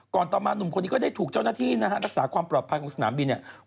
ต่อมาหนุ่มคนนี้ก็ได้ถูกเจ้าหน้าที่นะฮะรักษาความปลอดภัยของสนามบินเนี่ย